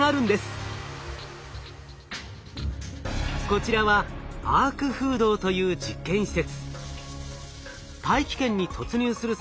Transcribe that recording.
こちらはアーク風洞という実験施設。